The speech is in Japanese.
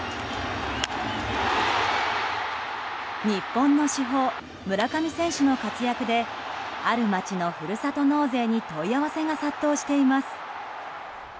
日本の主砲・村上選手の活躍である町のふるさと納税に問い合わせが殺到しています。